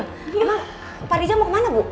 emang pak rija mau kemana bu